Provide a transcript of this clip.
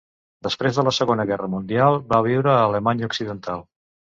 Després de la Segona Guerra Mundial, va viure a l'Alemanya Occidental.